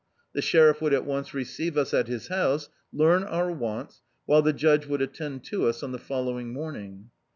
The Sheriff would at Mice receive us at his house, learn our wants, while the judge would attend to us <Hi the following morning.